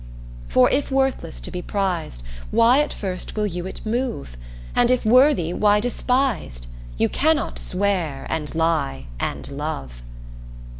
For if worthless to be prized Why at first will you it move, And if worthy, why despised? You cannot swear, and lie, and love.